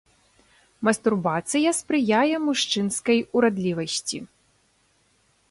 Мастурбацыя спрыяе мужчынскай урадлівасці.